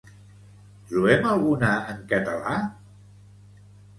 Trobem alguna en català?